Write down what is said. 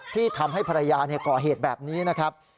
ที่ทำให้ภรรยาก่อเหตุแบบนี้นะครับ